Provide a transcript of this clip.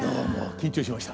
緊張しました。